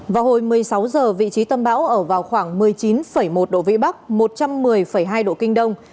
vào hồi một mươi sáu h vị trí tâm bão ở vào khoảng một mươi chín một độ vĩ bắc một trăm một mươi hai độ kinh đông